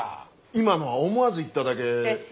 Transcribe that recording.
今のは思わず言っただけ。です。